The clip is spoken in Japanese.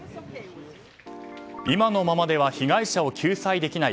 今のままでは被害者を救済できない。